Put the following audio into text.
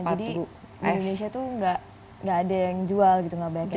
nah jadi di indonesia tuh enggak ada yang jual gitu enggak banyak yang jual